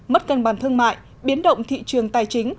mất cân bản thương mại biến động thị trường tài chính